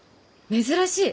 珍しい！